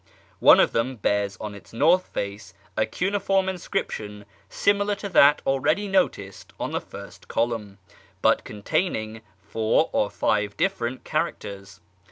One of them bears on its north face a cuneiform inscription similar to that already noticed on the first column, but containing four or five different characters.